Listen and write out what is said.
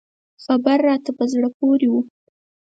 خبر راته په زړه پورې و.